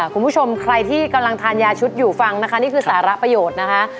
คุณผู้ชมใครที่กำลังทานยาชุดอยู่ฟังนะคะนี่คือสาระประโยชน์นะคะ